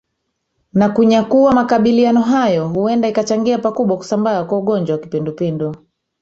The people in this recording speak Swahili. na kunyakuwa makabiliano hayo huenda ikachangia pakubwa kusambaa kwa ugonjwa wa kipindupindu